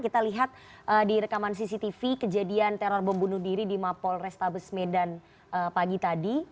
kita lihat di rekaman cctv kejadian teror bom bunuh diri di mapol restabes medan pagi tadi